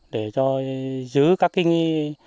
để cho giữ các cái